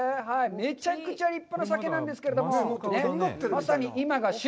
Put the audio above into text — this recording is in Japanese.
めちゃくちゃ立派な鮭なんですけれども、まさに今が旬。